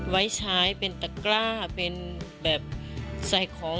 ไว้ใช้เป็นตะกร้าเป็นแบบใส่ของ